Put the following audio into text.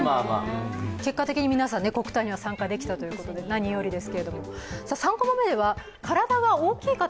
結果的に皆さん、国体に参加できたということで、何よりです。